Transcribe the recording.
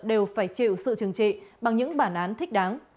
đều phải chịu sự trừng trị bằng những bản án thích đáng